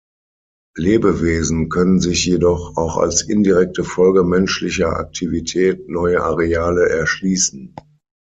Lebewesen können sich jedoch auch als indirekte Folge menschlicher Aktivität neue Areale erschließen.